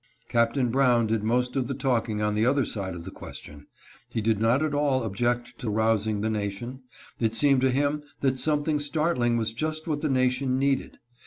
Captain Brown did most of the talking on the other side of the question. He did not at all object to rousing the nation ; it seemed to him that something startling was just what the nation needed.